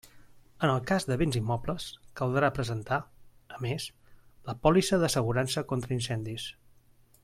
En el cas de béns immobles, caldrà presentar, a més, la pòlissa d'assegurança contra incendis.